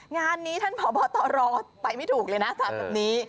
งานนี้ท่านพ่อบอตตอรอไปไม่ถูกเลยนะสัปดาห์ตัวนี้